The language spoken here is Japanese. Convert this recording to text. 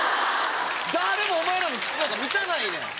誰もお前らのキスなんか見たないねん！